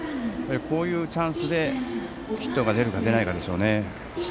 こういうチャンスでヒットが出るか出ないかですね。